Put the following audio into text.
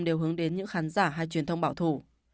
đều hướng đến những khán giả hay truyền thông bảo thủ